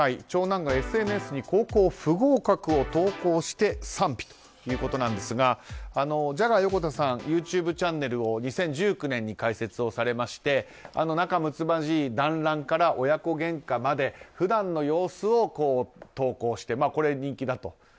長男がＳＮＳに高校不合格を投稿して賛否ということなんですがジャガー横田さんＹｏｕＴｕｂｅチャンネルを２０１９年に開設をされまして仲むつまじいだんらんから親子げんかまで普段の様子を投稿してこれ人気だ。